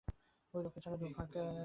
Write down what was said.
ওই লক্ষ্মীছাড়ার দু দাগ ওষুধ খেয়ে!